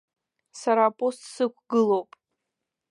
Сара апост сықәгылоуп.